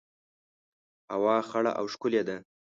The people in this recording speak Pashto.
هوا خړه او ښکلي ده